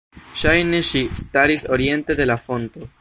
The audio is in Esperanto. Ŝajne ŝi staris oriente de la fonto.